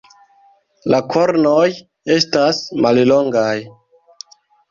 La kornoj estas mallongaj.